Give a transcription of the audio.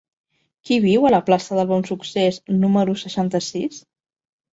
Qui viu a la plaça del Bonsuccés número seixanta-sis?